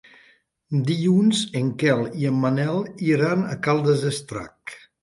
Dilluns en Quel i en Manel iran a Caldes d'Estrac.